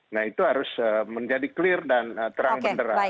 nah itu harus menjadi clear dan terang benderang